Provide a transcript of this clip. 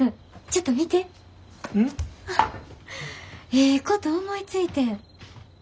ええこと思いついてん。